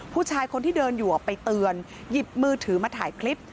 ผู้ชายคนที่เดินอยู่ไปเตือนหยิบมือถือมาถ่ายคลิป